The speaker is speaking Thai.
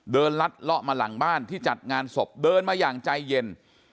ลัดเลาะมาหลังบ้านที่จัดงานศพเดินมาอย่างใจเย็น